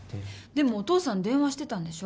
でもお父さん電話してたんでしょ？